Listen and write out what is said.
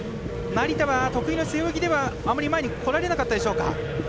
成田は得意の背泳ぎではあまり前に来られなかったでしょうか。